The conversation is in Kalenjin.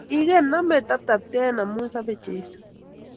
Igen name tabtabten amu sabei Jesu